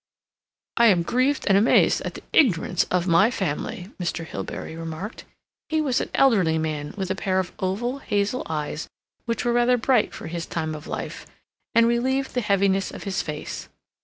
"I am grieved and amazed at the ignorance of my family," Mr. Hilbery remarked. He was an elderly man, with a pair of oval, hazel eyes which were rather bright for his time of life, and relieved the heaviness of his face.